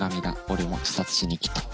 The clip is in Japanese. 俺も自殺しに来た。